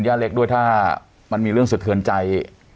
และคุณย่าเล็กด้วยมันมีเรื่องสะเทือนใจ